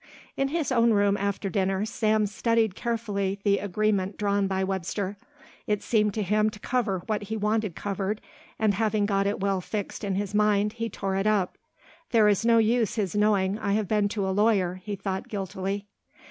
In his own room after dinner Sam studied carefully the agreement drawn by Webster. It seemed to him to cover what he wanted covered, and having got it well fixed in his mind he tore it up. "There is no use his knowing I have been to a lawyer," he thought guiltily.